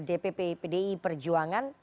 dpp pdi perjuangan